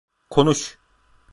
Konuş!